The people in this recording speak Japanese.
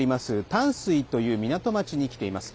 淡水という港町に来ています。